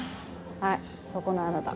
はいそこのあなた。